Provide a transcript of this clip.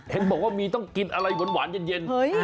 เห็นบอกว่ามีต้องกินอะไรหวานเย็น